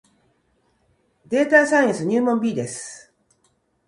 データサイエンス入門 B です